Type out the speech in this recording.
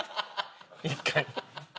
１回。